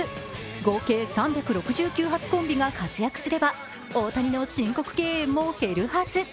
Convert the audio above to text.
合計３６９発コンビが活躍すれば大谷の申告敬遠も減るはず。